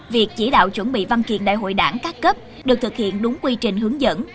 việc chỉ đạo chuẩn bị văn kiện đại hội đảng các cấp được thực hiện đúng quy trình hướng dẫn